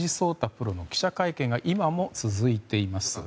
プロの記者会見が今も続いています。